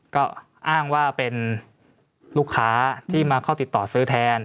ก็อ้างว่าเป็นลูกค้าที่มาเข้าติดต่อซื้อแทน